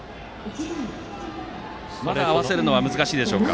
まだ合わせるのは難しいでしょうか。